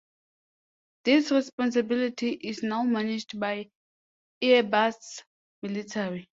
This responsibility is now managed by Airbus Military.